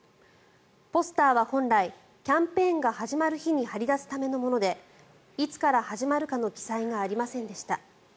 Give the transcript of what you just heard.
ポスターは本来キャンペーンが始まる日に貼り出すためのものでいつから始まるかの記載がありませんでした。